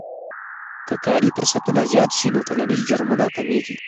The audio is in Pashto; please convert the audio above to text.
که کاري فرصتونه زیات شي نو ټولنیز جرمونه کمیږي.